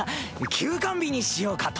休肝日にしようかと。